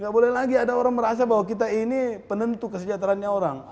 gak boleh lagi ada orang merasa bahwa kita ini penentu kesejahteraannya orang